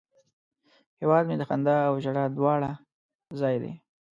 هیواد مې د خندا او ژړا دواړه ځای دی